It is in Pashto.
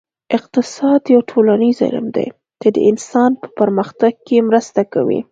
اقتصاد یو ټولنیز علم دی چې د انسان په پرمختګ کې مرسته کوي